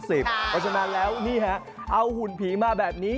เพราะฉะนั้นแล้วนี่ฮะเอาหุ่นผีมาแบบนี้